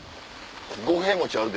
五平餅あるで。